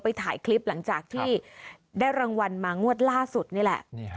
ถ่ายคลิปหลังจากที่ได้รางวัลมางวดล่าสุดนี่แหละ